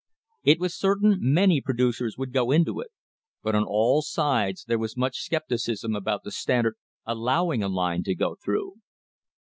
It was certain many producers would go into it; but on all sides there was much scepticism about the Standard allowing a line to go through.